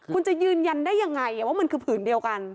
คุณจะยืนยันได้ยังไงว่ามันคือผืนเดียวกัน